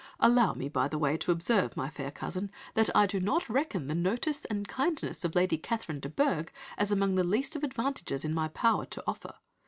Allow me, by the way, to observe, my fair cousin, that I do not reckon the notice and kindness of Lady Catherine de Bourgh as among the least of the advantages in my power to offer.